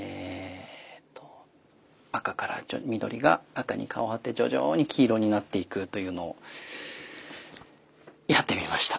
緑が赤に変わって徐々に黄色になっていくというのをやってみました！